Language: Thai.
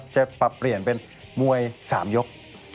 จะปรับเปลี่ยนเป็นมวย๓ยก